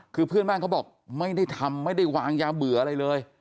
คือเพื่อนบ้านเขาบอกไม่ได้ทำไม่ได้วางยาเบื่ออะไรเลย